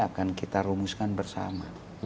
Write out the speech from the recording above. akan kita rumuskan bersama